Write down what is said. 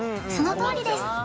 そのとおりです